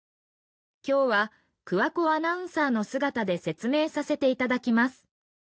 今日は、桑子アナウンサーの姿で説明させていただきます。